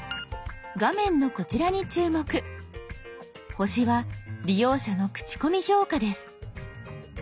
「星」は利用者の口コミ評価です。